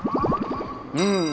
うん。